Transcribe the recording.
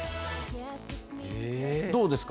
どうですか？